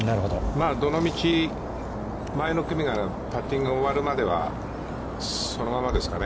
どのみち、前の組のパッティングが終わるまではそのままですかね？